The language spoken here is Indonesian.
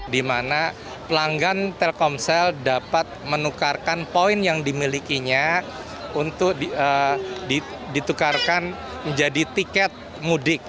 di mana pelanggan telkomsel dapat menukarkan poin yang dimilikinya untuk ditukarkan menjadi tiket mudik